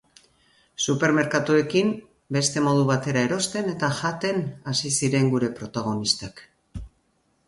Supermerkatuekin, beste modu batera erosten eta jaten hasi ziren gure protagonistak.